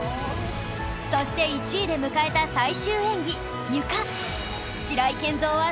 そして１位で迎えた最終演技ゆか